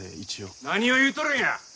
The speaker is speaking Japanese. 何を言うとるんや！